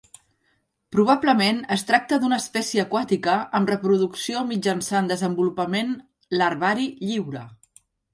Probablement es tracta d'una espècie aquàtica amb reproducció mitjançant desenvolupament larvari lliure.